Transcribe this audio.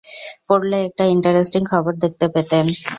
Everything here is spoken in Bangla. পড়লে একটা ইন্টারেষ্টিং খবর দেখতে পেতেন।